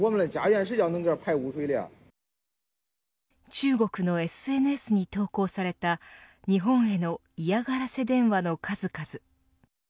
中国のＳＮＳに投稿された日本への嫌がらせ電話の数々。